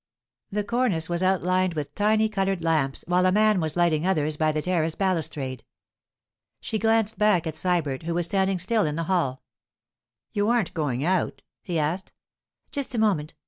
The cornice was outlined with tiny coloured lamps, while a man was lighting others by the terrace balustrade. She glanced back at Sybert, who was standing still in the hall. 'You aren't going out?' he asked. 'Just a moment.